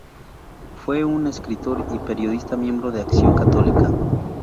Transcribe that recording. Fue un escritor y periodista miembro de Acción Católica.